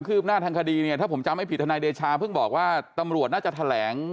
คืบหน้าทางคดีถ้าผมจำให้ผิดทนัยเดชาเพิ่งบอกว่าตำรวจน่าจะทะแหลง